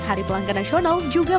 hari pelanggan nasional juga